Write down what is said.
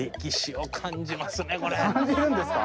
感じるんですか？